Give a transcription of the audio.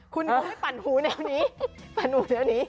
คุณไม่ปั่นหูแนวนี้ปั่นหูแนวนี้